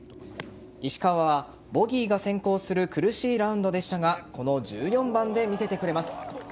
石川はボギーが先行する苦しいラウンドでしたがこの１４番で見せてくれます。